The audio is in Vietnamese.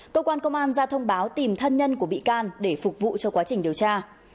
cơ quan công an ra thông báo tìm thân nhân của bị can để phục vụ cho quá trình điều tra